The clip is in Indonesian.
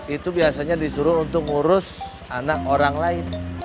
itu biasanya disuruh untuk ngurus anak orang lain